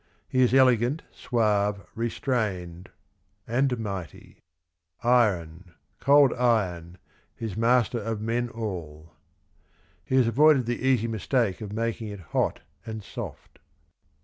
... He is elegant, suave, restrained — and mighty. ' Iron, cold iron, is master of men all.' He has avoided the easy mistake of making it hot and soft."